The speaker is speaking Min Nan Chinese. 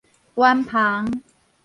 圓篷